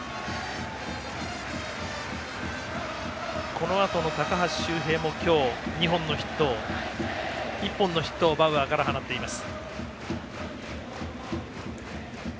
このあとの高橋周平も今日、１本のヒットをバウアーから放っています。